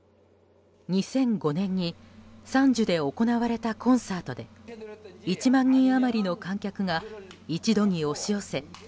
２００５年にサンジュで行われたコンサートで１万人余りの観客が一度に押し寄せ